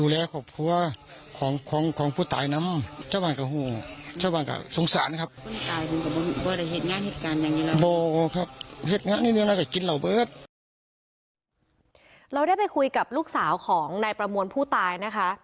เราได้ไปคุยกับลูกสาวของนายประมวลผู้ตายนะคะ